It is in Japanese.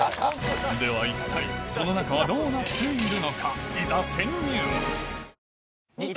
では一体その中はどうなっているのか？